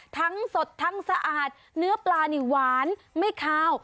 สดทั้งสะอาดเนื้อปลานี่หวานไม่คาว